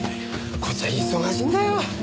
こっちは忙しいんだよ。